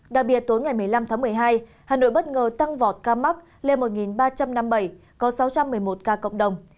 đặc biệt tối ngày một mươi năm tháng một mươi hai hà nội bất ngờ tăng vọt ca mắc lên một ba trăm năm mươi bảy có sáu trăm một mươi một ca cộng đồng